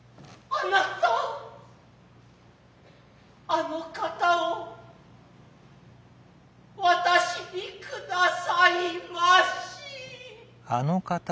貴方あの方を私に下さいまし。